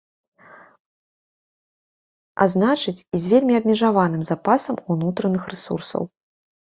А значыць, і з вельмі абмежаваным запасам унутраных рэсурсаў.